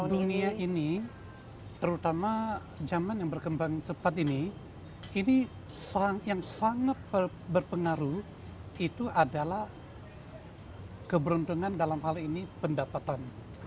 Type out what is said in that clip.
dunia ini terutama zaman yang berkembang cepat ini ini yang sangat berpengaruh itu adalah keberuntungan dalam hal ini pendapatan